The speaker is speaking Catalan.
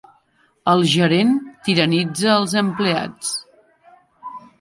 El gerent tiranitza els empleats.